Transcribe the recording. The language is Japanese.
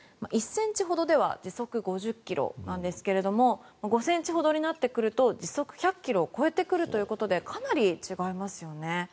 １ｃｍほどでは時速５０ｋｍなんですけれども５ｃｍほどになってくると時速１００ｋｍを超えてくるということでかなり違いますよね。